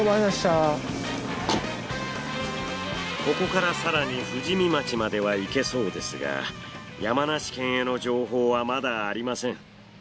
ここから更に富士見町までは行けそうですが山梨県への情報はまだありません。